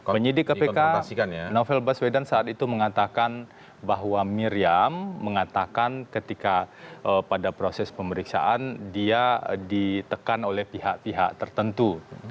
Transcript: penyidik kpk novel baswedan saat itu mengatakan bahwa miriam mengatakan ketika pada proses pemeriksaan dia ditekan oleh pihak pihak tertentu